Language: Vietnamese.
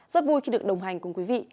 rất vui khi được đồng hành cùng quý vị